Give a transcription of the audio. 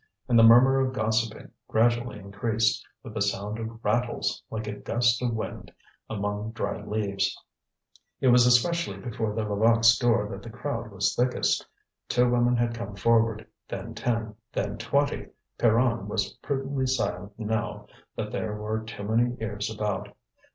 And the murmur of gossiping gradually increased, with a sound of rattles, like a gust of wind among dry leaves. It was especially before the Levaques' door that the crowd was thickest. Two women had come forward, then ten, then twenty. Pierronne was prudently silent now that there were too many ears about.